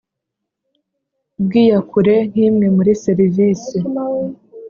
Bw iyakure nk imwe muri serivisi